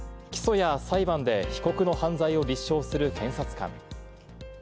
起訴や裁判で被告の犯罪を立証する検察官。